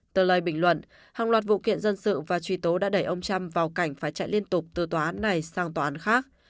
tờ lời bình luận hàng loạt vụ kiện dân sự và truy tố đã đẩy ông trump vào cảnh phải chạy liên tục từ tòa án này sang tòa án khác